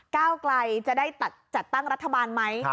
ก้าวไกลจะได้จัดตั้งรัฐบาลไหม